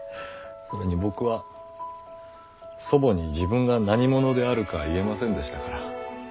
それに僕は祖母に自分が何者であるか言えませんでしたから。